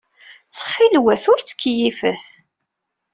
Ttxil-wen, ur ttkeyyifet.